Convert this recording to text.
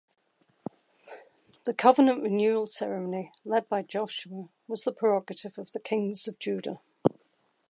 The covenant-renewal ceremony led by Joshua was the prerogative of the kings of Judah.